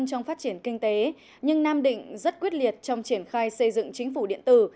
trong phát triển kinh tế nhưng nam định rất quyết liệt trong triển khai xây dựng chính phủ điện tử